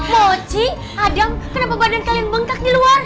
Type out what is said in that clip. moci adam kenapa badan kalian bengkak di luar